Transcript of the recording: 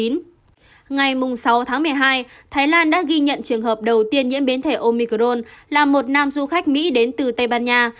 ngày sáu tháng một mươi hai thái lan đã ghi nhận trường hợp đầu tiên nhiễm biến thể omicron là một nam du khách mỹ đến từ tây ban nha